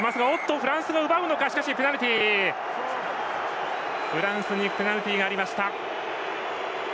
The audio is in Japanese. フランスにペナルティーがありました。